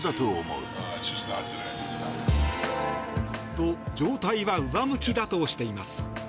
と、状態は上向きだとしています。